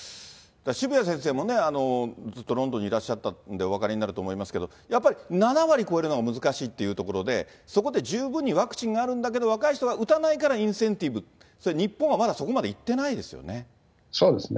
渋谷先生もね、ずっとロンドンにいらっしゃったんでお分かりになると思いますけど、やっぱり７割超えるのが難しいっていうところで、そこで十分にワクチンがあるんだけど、若い人が打たないからインセンティブ、日本はまだそこまでいってそうですね。